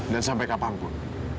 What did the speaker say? dan sampai kapanpun